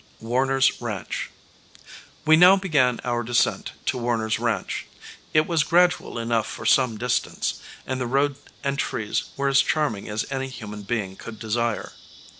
Warner's Ranch. We now began our descent to Warner's Ranch. It was gradual enough for some distance, and the road and trees were as charming as any human being could desire.